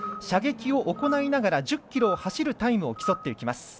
射撃を行いながら１０ｋｍを走るタイムを競っていきます。